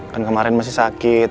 kan kemarin masih sakit